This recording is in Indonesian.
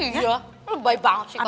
iya lu baik banget sih kak arna